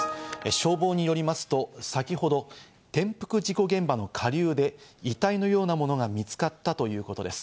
消防によりますと、先ほど転覆事故現場の下流で遺体のようなものが見つかったということです。